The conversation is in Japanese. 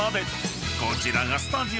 ［こちらがスタジオ予想］